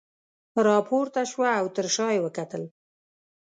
راپورته شوه او تر شاه یې وکتل.